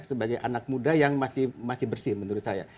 sebagai anak muda yang masih bersih menurut saya